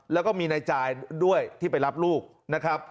แล้วก็มีนายจ่ายด้วยที่ไปรับลูกนะครับ